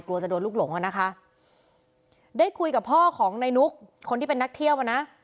กลัวจะโดนลูกหลงอ่ะนะคะได้คุยกับพ่อของในนุกคนที่เป็นนักเที่ยวอ่ะนะ